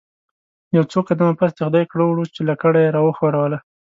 یو څو قدمه پس د خدای کړه وو چې لکړه یې راوښوروله.